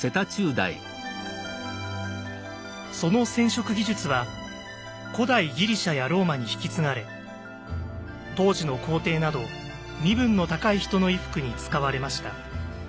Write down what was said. その染色技術は古代ギリシャやローマに引き継がれ当時の皇帝など身分の高い人の衣服に使われました。